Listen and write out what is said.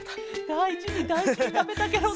だいじにだいじにたべたケロね。